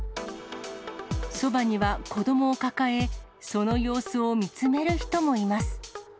そばには子どもを抱え、その様子を見つめる人もいます。